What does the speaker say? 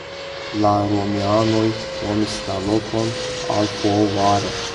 La romianoj nomis la lokon Alfovare.